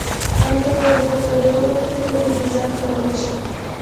ما ورته وویل: زه تر یو وخته پورې انتظار کولای شم.